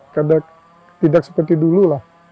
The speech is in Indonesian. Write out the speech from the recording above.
kadang tidak seperti dulu lah